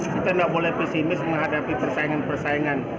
kita tidak boleh pesimis menghadapi persaingan persaingan